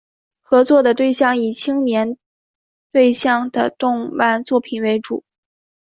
合作的对象以青年对象的动漫作品为主。